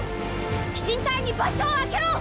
飛信隊に場所を空けろ！